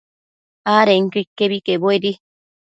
adenquio iquebi quebuedi